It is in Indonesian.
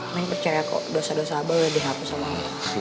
main percaya kok dosa dosa abah ya dihapus sama allah